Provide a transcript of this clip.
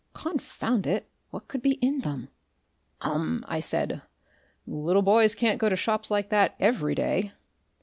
Confound it! what could be in them? "Um!" I said. "Little boys can't go to shops like that every day."